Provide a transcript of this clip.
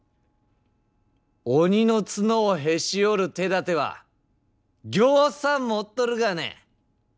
鬼の角をへし折る手だてはぎょうさん持っとるがね。